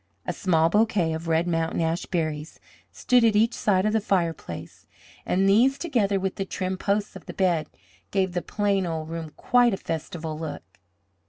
A small bouquet of red mountain ash berries stood at each side of the fireplace, and these, together with the trimmed posts of the bed, gave the plain old room quite a festival look.